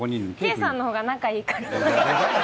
圭さんの方が仲いいから。